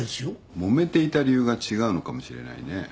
もめていた理由が違うのかもしれないね。